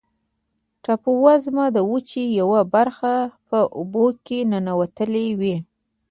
ټاپووزمه د وچې یوه برخه په اوبو کې ننوتلې وي.